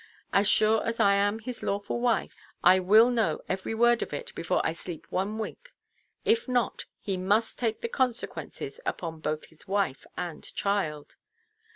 As sure as I am his lawful wife I will know every word of it before I sleep one wink. If not, he must take the consequences upon both his wife and child."